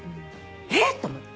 えっ！と思って。